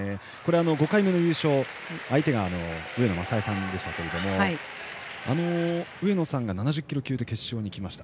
５回目の優勝、相手が上野雅恵さんでしたけれども上野さんが７０キロ級で決勝にきました。